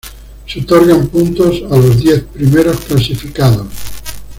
Se otorgan puntos a los diez primeros clasificados.